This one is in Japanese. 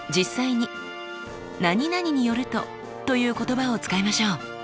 「○○によると」という言葉を使いましょう。